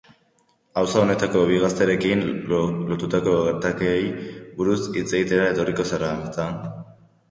Auzo honetako bi gazterekin lotutako gertaerei buruz hitz egitera etorri zara, ezta?